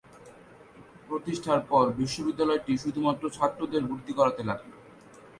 প্রতিষ্ঠার পর বিশ্ববিদ্যালয়টি শুধুমাত্র ছাত্রদের ভর্তি করাতে লাগলো।